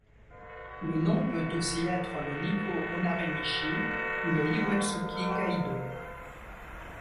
Le nom peut aussi être le Nikkō Onarimichi ou le Iwatsuki Kaidō.